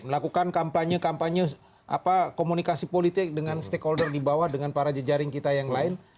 melakukan kampanye kampanye komunikasi politik dengan stakeholder di bawah dengan para jejaring kita yang lain